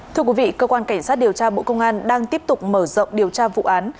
thưa quý vị cơ quan cảnh sát điều tra bộ công an đang tiếp tục mở rộng điều tra vụ án